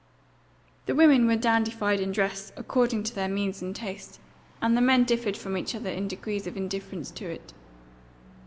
The women were dandified in dress, according to their means and taste, and the men differed from each other in degrees of indifference to it.